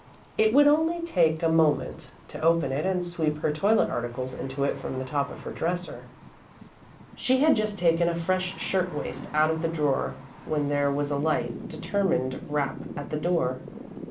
It would only take a moment to open it and sweep her toilet articles into it from the top of her dresser. She had just taken a fresh shirtwaist out of the drawer when there was a light, determined rap at the door.